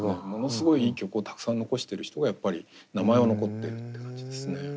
ものすごいいい曲をたくさん残してる人がやっぱり名前は残ってるって感じですね。